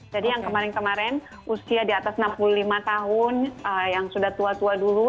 jadi yang kemarin kemarin usia di atas enam puluh lima tahun yang sudah tua tua dulu